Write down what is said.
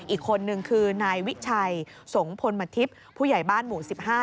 อีกคนนึงคือนายวิชัยสงพลมทิพย์ผู้ใหญ่บ้านหมู่๑๕